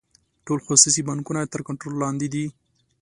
ټول خصوصي بانکونه تر کنټرول لاندې دي.